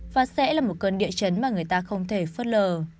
và sẽ là một cơn địa chấn mà người ta không thể phớt lờ